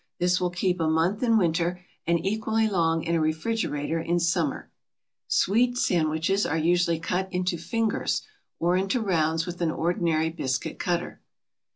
This will keep a month in winter, and equally long in a refrigerator in summer. Sweet sandwiches are usually cut into "fingers," or into rounds with an ordinary biscuit cutter.